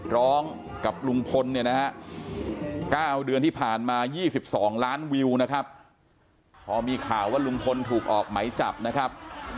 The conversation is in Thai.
ร้องกับลุงพลเนี่ยนะฮะ๙เดือนที่ผ่านมา๒๒ล้านวิวนะครับพอมีข่าวว่าลุงพลถูกออกไหมจับนะครับ